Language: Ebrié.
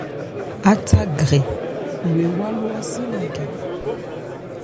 Átha grɛ lo ewá ló ási nankhɛ.